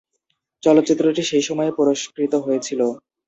চলচ্চিত্রটি সেই সময়ে পুরস্কৃত হয়েছিল।